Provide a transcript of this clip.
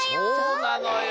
そうなのよ。